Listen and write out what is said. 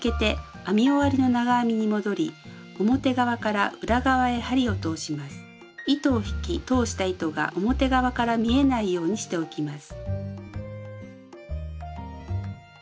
次は前段を最後は糸を引き通した糸が表側から見えないようにしておきます。